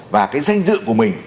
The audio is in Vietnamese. và cái danh dự của mình